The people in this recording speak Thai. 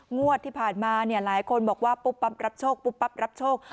งวดที่ผ่านมาหลายคนบอกว่าปุ๊บปั๊บรับโชครับโชค